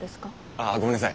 あぁごめんなさい。